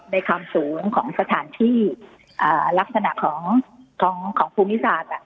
ในความสูงของสถานที่ลักษณะของภูมิศาสตร์